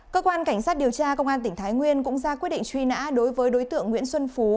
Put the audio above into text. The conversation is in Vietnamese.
cơ quan cảnh sát điều tra công an tỉnh thái nguyên cũng ra quyết định truy nã đối với đối tượng nguyễn xuân phú